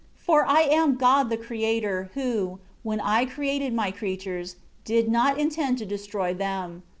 9 For I am God the Creator, who, when I created My creatures, did not intend to destroy them.